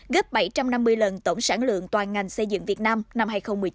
gấp bảy trăm năm mươi lần tổng sản lượng toàn ngành xây dựng việt nam năm hai nghìn một mươi chín